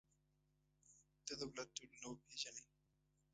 د دولت ډولونه وپېژنئ.